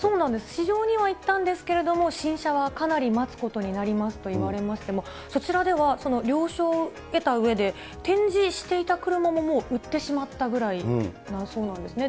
試乗には行ったんですけれども、新車はかなり待つことになりますと言われまして、そちらでは、その了承を得たうえで、展示していた車ももう売ってしまったぐらいだそうなんですね。